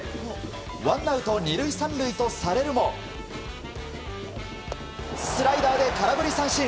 ワンアウト２塁３塁とされるもスライダーで空振り三振。